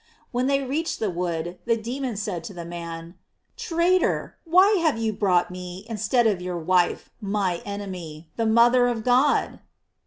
When they reached the wood, the demon said to the man: "Traitor, why have you brought me, in stead of your wife, my enemy, the mother of God?"